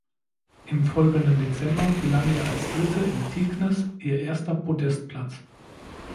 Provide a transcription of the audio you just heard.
Im folgenden Dezember gelang ihr als Dritte in Tignes ihr erster Podestplatz.